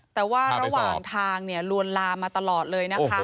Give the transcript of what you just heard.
แต่ว่าระหว่างทางลวนลามมาตลอดเลยนะคะ